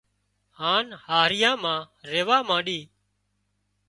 هانَ هاهريان مان ريوا مانڏي